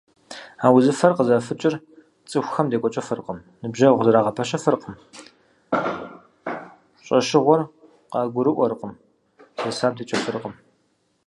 А узыфэр къызэфыкӏыр цӀыхухэм декӀуэкӀыфыркъым, ныбжьэгъу зэрагъэпэщыфыркъым, щӀэщыгъуэр къагурыӀуэркъым, зэсам текӀыфыркъым.